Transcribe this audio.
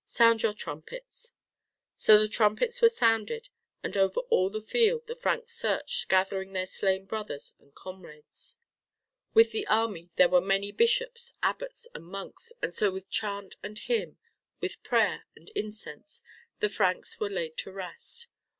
Sound your trumpets!" So the trumpets were sounded, and over all the field the Franks searched, gathering their slain brothers and comrades. With the army there were many bishops, abbots and monks, and so with chant and hymn, with prayer and incense, the Franks were laid to rest.